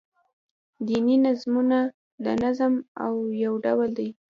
دیني نظمونه دنظم يو ډول دﺉ.